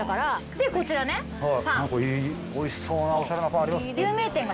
でこちらねおいしそうなおしゃれなパンあります。